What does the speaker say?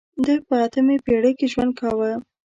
ده په اتمې پېړۍ کې ژوند کاوه.